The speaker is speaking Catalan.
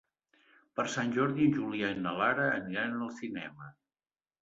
Per Sant Jordi en Julià i na Lara aniran al cinema.